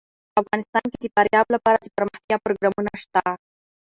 افغانستان کې د فاریاب لپاره دپرمختیا پروګرامونه شته.